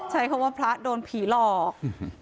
ใช้คำว่าพระโดนผีหลอก